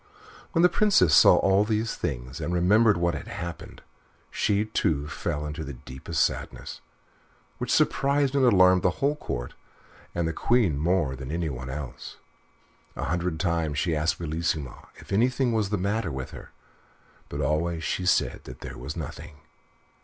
When the Princess saw all these things, and remembered what had happened, she, too, fell into the deepest sadness, which surprised and alarmed the whole Court, and the Queen more than anyone else. A hundred times she asked Bellissima if anything was the matter with her; but she always said that there was nothing.